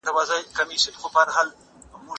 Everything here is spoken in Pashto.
ژوند د حوصلې سمبول